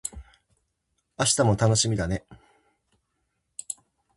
明日も楽しみだね